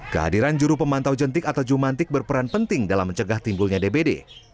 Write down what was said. kehadiran juru pemantau jentik atau jumantik berperan penting dalam mencegah timbulnya dbd